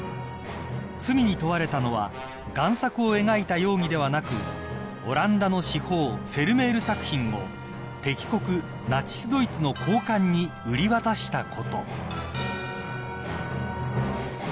［罪に問われたのは贋作を描いた容疑ではなくオランダの至宝フェルメール作品を敵国ナチスドイツの高官に売り渡したこと］